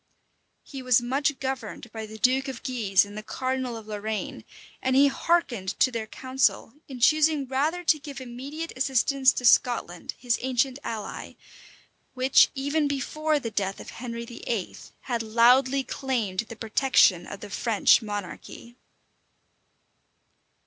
[] He was much governed by the duke of Guise and the cardinal of Lorraine; and he hearkened to their counsel, in choosing rather to give immediate assistance to Scotland, his ancient ally, which, even before the death of Henry VIII. had loudly claimed the protection of the French monarchy.